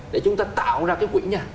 để chúng ta tạo ra cái quỹ nhà